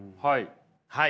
はい。